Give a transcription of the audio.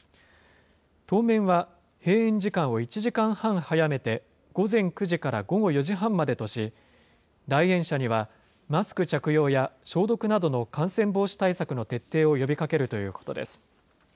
当面は閉園時間を１時間半早めて、午前９時から午後４時半までとし、来園者にはマスク着用や消毒などの感染防止対策の徹底を呼びかけるということです。